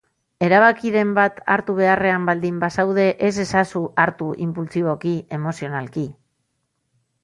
Erabakiren bat hartu beharrean baldin bazaude, ez ezazu hartu inpultsiboki, emozionalki.